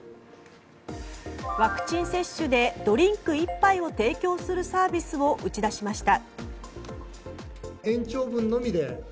ワクチン接種でドリンク１杯を提供するサービスを打ち出しました。